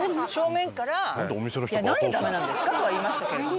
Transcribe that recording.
「なんでダメなんですか？」とは言いましたけれども。